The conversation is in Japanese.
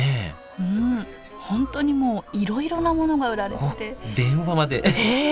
本当にもういろいろなものが売られてて電話までええ！